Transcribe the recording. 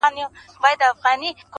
o د چا د ويښ زړگي ميسج ننوت،